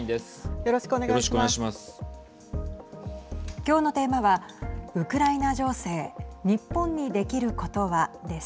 よろしくお願いします。